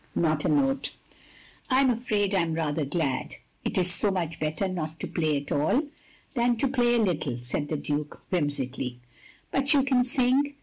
" "Not a note." "I 'm afraid I 'm rather glad! It is so much better not to play at all than to play a little," said the Duke, whimsically, "But you can sing?"